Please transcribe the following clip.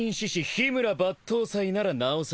緋村抜刀斎ならなおさらな。